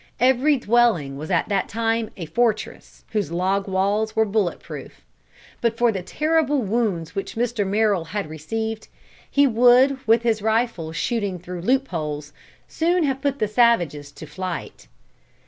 Every dwelling was at that time a fortress whose log walls were bullet proof. But for the terrible wounds which Mr. Merrill had received, he would with his rifle shooting through loop holes, soon have put the savages to flight.